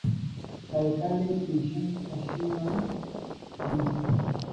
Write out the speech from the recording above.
سائیکل ءِ پیشن کشنگ آن خلیک